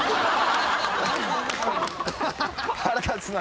腹立つな。